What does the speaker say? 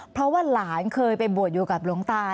เพราะว่าหลานเคยไปบวชอยู่กับหลวงตา